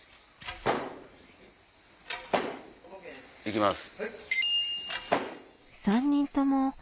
行きます。